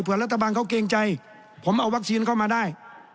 เพื่อรัฐบาลเขาเกรงใจผมเอาวัคซีนเข้ามาได้